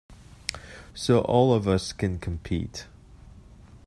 So all of us can compete.